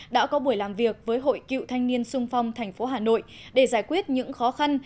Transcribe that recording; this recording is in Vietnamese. đã có buổi làm việc với hội cựu thanh niên xung phong tp hà nội để giải quyết những khó khăn